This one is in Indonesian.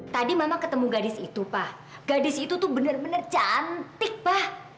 tadi mama ketemu gadis itu pak gadis itu tuh bener bener cantik pak